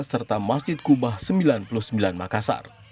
serta masjid kubah sembilan puluh sembilan makassar